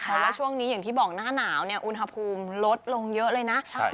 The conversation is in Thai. เพราะว่าช่วงนี้อย่างที่บอกหน้าหนาวเนี่ยอุณหภูมิลดลงเยอะเลยนะ